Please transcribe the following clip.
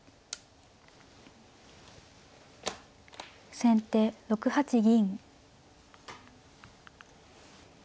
先手６八銀。